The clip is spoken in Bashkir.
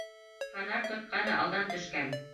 Фонарь тотҡаны алдан төшкән.